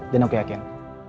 dan aku yakin